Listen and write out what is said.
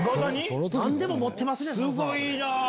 すごいな！